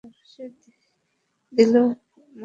সে দিলেও, মাকে সব জানিয়ে এসেছি।